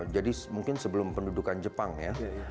jadi mungkin sebelum pendudukan jepang ya